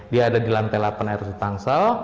dia ada di lantai delapan rsud tangsel